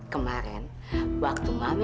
kemarin waktu mami